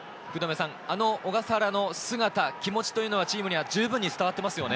あの小笠原の姿、気持ちというのはチームにじゅうぶん伝わっていますよね。